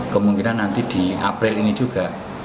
kemungkinan nanti di april ini juga